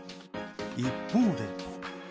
一方で。